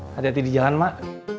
hati hati di jalan mak